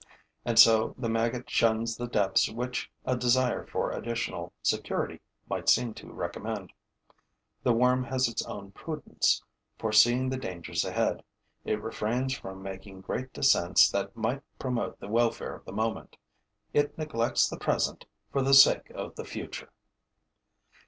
And so the maggot shuns the depths which a desire for additional security might seem to recommend. The worm has its own prudence: foreseeing the dangers ahead, it refrains from making great descents that might promote the welfare of the moment. It neglects the present for the sake of the future.